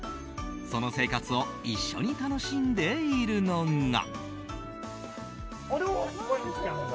その生活を一緒に楽しんでいるのが。